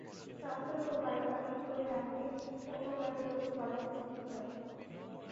রাস্তার ওপর গাড়ি পার্কিং করে রাখলে অন্য গাড়ি চলাচলে বাধা সৃষ্টি হয়।